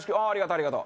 ありがとう